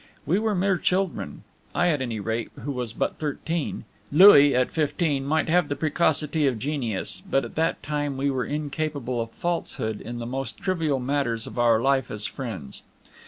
We were mere children; I, at any rate, who was but thirteen; Louis, at fifteen, might have the precocity of genius, but at that time we were incapable of falsehood in the most trivial matters of our life as friends.